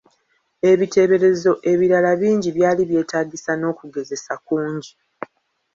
Ebiteeberezo ebirala bingi byali byetaagisa n’okugezesa kungi.